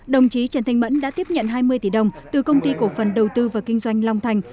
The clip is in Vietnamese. đồng chí trần thanh mẫn đã tiếp nhận hai mươi tỷ đồng từ công ty cổ phần đầu tư và kinh doanh long thành